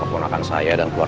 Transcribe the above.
terima kasih banyak andin